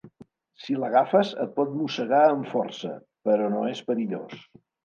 Si l'agafes et pot mossegar amb força, però no és perillós.